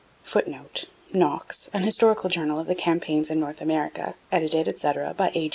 [Footnote: Knox, An Historical Journal of the Campaigns in North America, Edited, etc., by A.